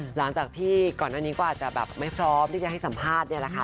หลังจากที่ก่อนอันนี้ก็อาจจะแบบไม่พร้อมที่จะให้สัมภาษณ์เนี่ยแหละค่ะ